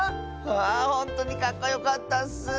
あほんとにかっこよかったッス！